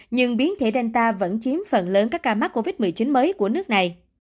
nhưng biến thể danta vẫn chiếm phần lớn các ca mắc covid một mươi chín mới của nước này